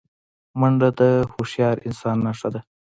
منډه د هوښیار انسان نښه ده